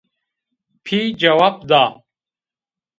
Pî cewab da